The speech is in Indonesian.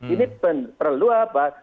ini perlu apa